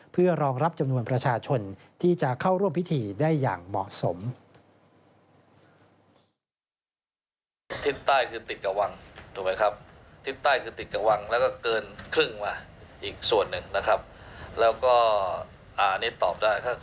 เพื่อรองรับจำนวนประชาชนที่จะเข้าร่วมพิธีได้อย่างเหมาะสม